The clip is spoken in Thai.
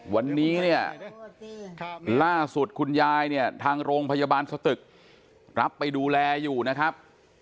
วันนี้เนี่ยล่าสุดคุณยายเนี่ยทางโรงพยาบาลสตึกรับไปดูแลอยู่นะครับ